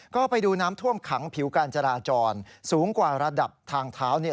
ก็ไปดูน้ำท่วมขังผิวการจราจรสูงกว่าระดับทางเท้าเนี่ย